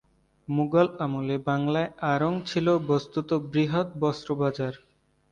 মুগল আমলে বাংলায় আড়ং ছিল বস্ত্তত বৃহৎ বস্ত্র বাজার।